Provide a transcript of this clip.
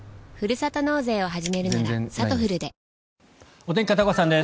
お天気、片岡さんです。